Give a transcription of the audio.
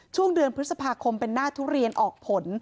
ช่วงเดือนพฤษภาคมเป็นหน้าทุเรียนออกผล